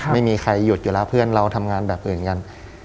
ไม่มีใครหยุดอยู่แล้วเพื่อนเราทำงานแบบอื่นกัน